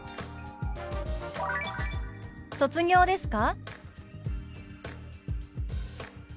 「卒業ですか？」。